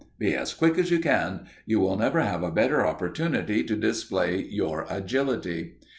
Be as quick as you can. You will never have a better opportunity to display your agility.